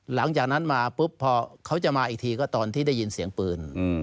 หลังจากนั้นมาปุ๊บพอเขาจะมาอีกทีก็ตอนที่ได้ยินเสียงปืน